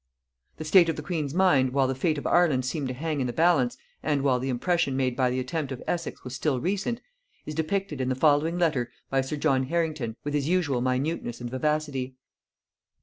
The state of the queen's mind while the fate of Ireland seemed to hang in the balance, and while the impression made by the attempt of Essex was still recent, is depicted in the following letter by sir John Harrington with his usual minuteness and vivacity.